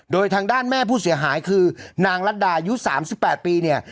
โดยทางด้านแม่ผู้เสียหายคือนางรัฐดายุ๓๘ปีเนี่ย